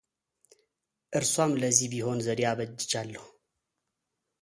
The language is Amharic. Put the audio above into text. እርሷም ለዚህም ቢሆን ዘዴ አበጅቻለሁ፡፡